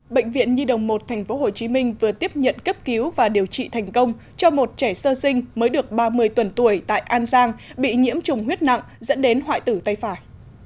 bệnh viện nhi đồng một tp hcm vừa tiếp nhận cấp cứu và điều trị thành công cho một trẻ sơ sinh mới được ba mươi tuần tuổi tại an giang bị nhiễm trùng huyết nặng dẫn đến hoại tử tay phải